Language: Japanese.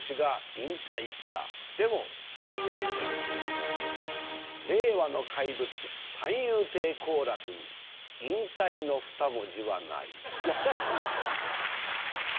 『運命』令和の怪物三遊亭好楽に引退のふた文字はない。